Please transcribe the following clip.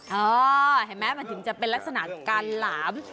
เห็นไหมมันถึงจะเป็นลักษณะการหลาม